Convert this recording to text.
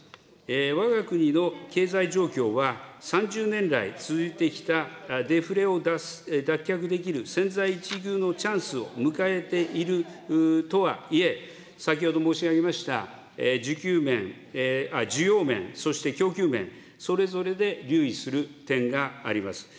わが国の経済状況は３０年来続いてきたデフレを脱却できる千載一遇のチャンスを迎えているとはいえ、先ほど申し上げました需給面、需要面、そして供給面、それぞれで留意する点があります。